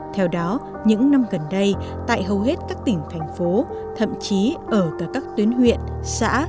theo đó những năm gần đây tại hầu hết các tỉnh thành phố thậm chí ở cả các tuyến huyện xã